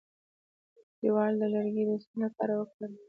کلیوالو دا لرګي د سون لپاره وکارول.